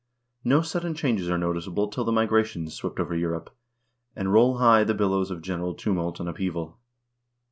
No sudden changes are noticeable till the Migra tions sweep over Europe, and roll high the billows of general tumult and upheaval.